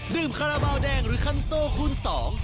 คาราบาลแดงหรือคันโซคูณสอง